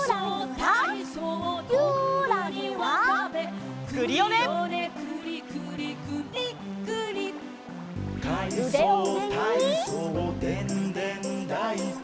「かいそうたいそうでんでんだいこ」